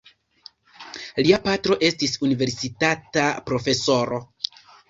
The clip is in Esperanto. Lia patro estis universitata profesoro.